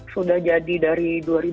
sudah jadi dari dua ribu dua